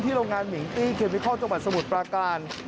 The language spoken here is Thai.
โรงงานมิงตี้เคมิคอลจังหวัดสมุทรปราการ